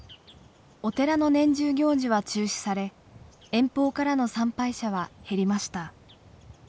お寺の年中行事は中止され遠方からの参拝者は減りました。